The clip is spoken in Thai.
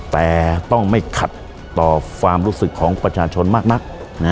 แต่ต้องไม่ขัดต่อความรู้สึกของประชาชนมากนัก